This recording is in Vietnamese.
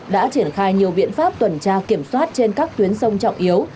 đã triển khai nhiều biện pháp tuần tra kiểm soát trên các tuyến sông trọng yếu